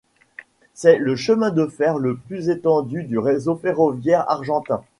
C'est le chemin de fer le plus étendu du réseau ferroviaire argentin.